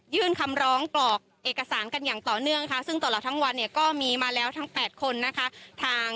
คำร้องกรอกเอกสารกันอย่างต่อเนื่องค่ะซึ่งตลอดทั้งวันเนี่ยก็มีมาแล้วทั้ง๘คนนะคะ